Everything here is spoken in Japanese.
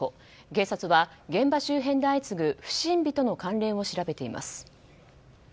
警察は現場周辺で相次ぐ不審火との関連を調べています。